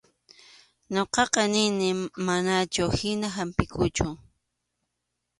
Ñuqaqa nini manachu hina hampiqkuchu.